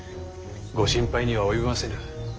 ご心配には及びませぬ。